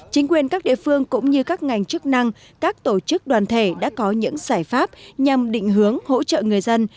chính quyền các địa phương cũng như các ngành chức năng các tổ chức đoàn thể đã có những giải pháp nhằm định hướng hỗ trợ người dân